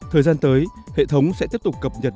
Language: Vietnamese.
thời gian tới hệ thống sẽ tiếp tục cập nhật